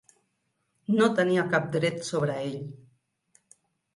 No tenia cap dret sobre ell.